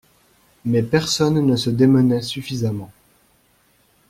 Mais personne ne se démenait suffisamment.